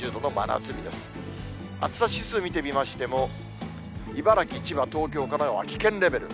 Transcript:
暑さ指数、見てみましても、茨城、千葉、東京、神奈川、危険レベル。